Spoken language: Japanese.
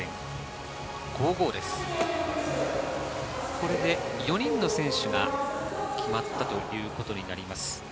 これで４人の選手が決まったということになります。